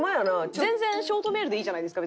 全然ショートメールでいいじゃないですか。